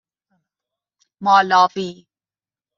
مالاوی